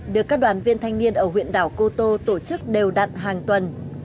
được các đoàn viên thanh niên ở huyện đảo cô tô tổ chức đều đặn hàng tuần